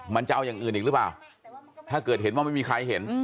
มันจะเอาอย่างอื่นอีกหรือเปล่าถ้าเกิดเห็นว่าไม่มีใครเห็น